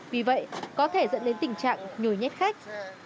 vì vậy có thể dẫn đến tình trạng nhồi nhét khách